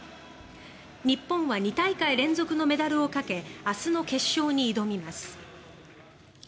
日本は２大会連続のメダルをかけ明日の決勝に挑みます。